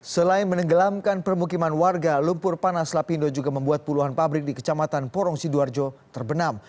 selain menenggelamkan permukiman warga lumpur panas lapindo juga membuat puluhan pabrik di kecamatan porong sidoarjo terbenam